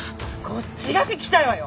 こっちが聞きたいわよ！